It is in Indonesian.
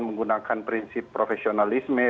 menggunakan prinsip profesionalisme